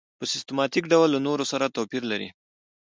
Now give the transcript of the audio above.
په سیستماتیک ډول له نورو سره توپیر لري.